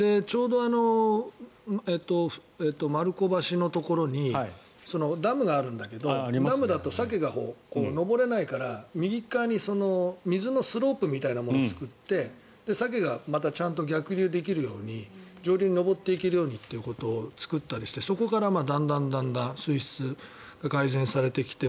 ちょうど丸子橋のところにダムがあるんだけどダムだとサケが上れないから右側に水のスロープみたいなものを作ってサケがちゃんと逆流できるように上流に上っていけるようにっていうのを作ったりしてそこからだんだん水質が改善されてきて。